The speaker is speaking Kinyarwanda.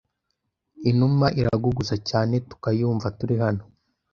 Inuma iraguguza cyane tukayumva turi hano